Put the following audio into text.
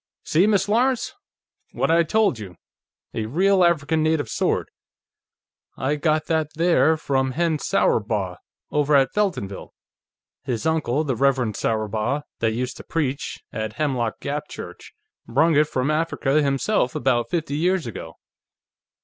"See, Miss Lawrence? What I told you; a real African native sword. I got that there from Hen Sourbaw, over at Feltonville; his uncle, the Reverend Sourbaw, that used to preach at Hemlock Gap Church, brung it from Africa, himself, about fifty years ago.